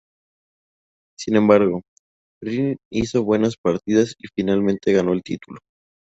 Sin embargo, Rin hizo buenas partidas y finalmente ganó el título.